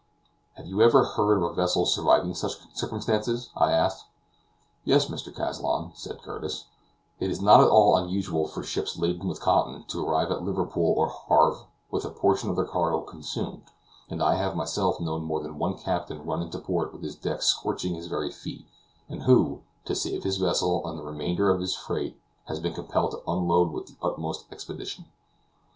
"Have you ever heard of a vessel surviving such circumstances?" I asked. "Yes, Mr. Kazallon," said Curtis; "it is not at all an unusual thing for ships laden with cotton to arrive at Liverpool or Havre with a portion of their cargo consumed; and I have myself known more than one captain run into port with his deck scorching his very feet, and who, to save his vessel and the remainder of his freight has been compelled to unload with the utmost expedition.